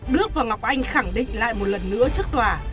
đức và ngọc anh khẳng định lại một lần nữa trước tòa